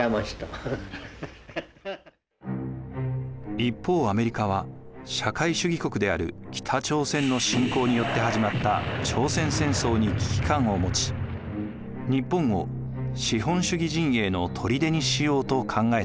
一方アメリカは社会主義国である北朝鮮の侵攻によって始まった朝鮮戦争に危機感を持ち日本を資本主義陣営のとりでにしようと考えたのです。